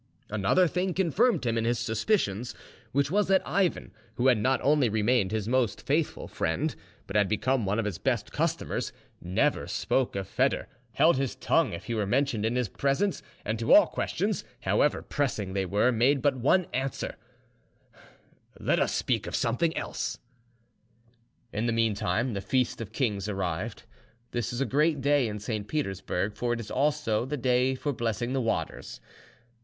Another thing confirmed him in his suspicions, which was that Ivan, who had not only remained his most faithful friend, but had become one of his best customers, never spoke of Foedor, held his tongue if he were mentioned in his presence, and to all questions, however pressing they were, made but one answer: "Let us speak of something else." In the meantime the Feast of Kings arrived. This is a great day in St. Petersburg, for it is also the day for blessing the waters.